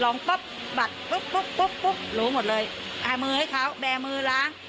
ปุ๊บบัตรปุ๊บปุ๊บปุ๊บรู้หมดเลยอ่ามือให้เขาแบร์มือล้าง